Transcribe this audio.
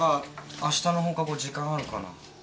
あしたの放課後時間あるかな？